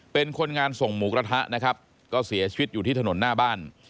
เป็นคนงานส่งหมูกระทะนะครับก็เสียชีวิตอยู่ที่ถนนหน้าบ้าน